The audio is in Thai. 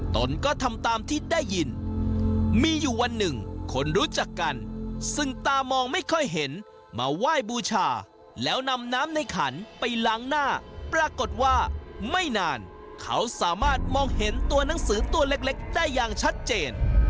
ตนก็ทำตามที่ได้ยินมีอยู่วันหนึ่งคนรู้จักกันซึ่งตามองไม่ค่อยเห็นมาไหว้บูชาแล้วนำน้ำในขันไปล้างหน้าปรากฏว่าไม่นานเขาสามารถมองเห็นตัวหนังสือตัวเล็กได้อย่างชัดเจน